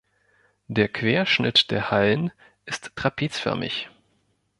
Der Querschnitt der Hallen ist trapezförmig.